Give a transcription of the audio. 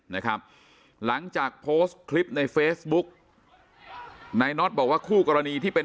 นะครับหลังจากโพสต์คลิปในเฟซบุ๊กนายน็อตบอกว่าคู่กรณีที่เป็น